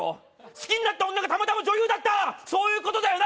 好きになった女がたまたま女優だったそういうことだよな？